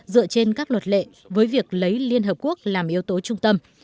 dựa trên các luật lệ với việc lấy liên hợp quốc làm yếu tố trung tâm